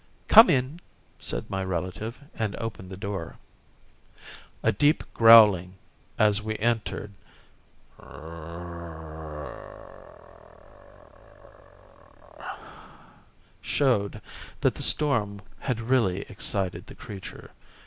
"Come in!" said my relative, and opened the door. A deep growling as we entered showed that the storm had really excited the creature.